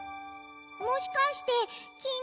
もしかしてきみ。